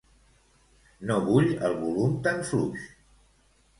No vull el volum tan fluix.